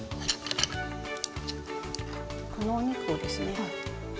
このお肉をですね